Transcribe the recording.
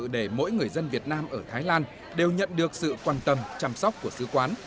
để mỗi người dân việt nam ở thái lan đều nhận được sự quan tâm chăm sóc của sứ quán